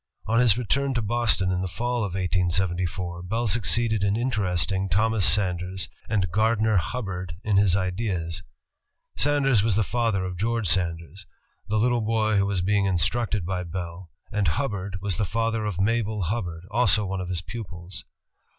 On his return to Boston, in the fall of 1874, Bell suc ceeded in interesting Thomas Sanders and Gardner Hub ALEXANDER GRAHAM BELL 239 bard in liis ideas. Sanders was the father of George Sanders, the little boy who was being instructed by Bell, and Hubbard was the father of Mabel Hubbard, also one of his pupils.